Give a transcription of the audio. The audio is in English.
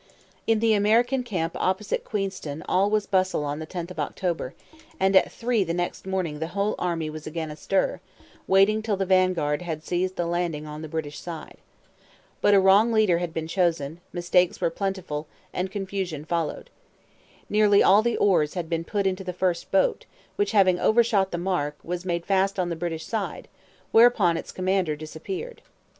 In the American camp opposite Queenston all was bustle on the 10th of October; and at three the next morning the whole army was again astir, waiting till the vanguard had seized the landing on the British side. But a wrong leader had been chosen; mistakes were plentiful; and confusion followed. Nearly all the oars had been put into the first boat, which, having overshot the mark, was made fast on the British side; whereupon its commander disappeared.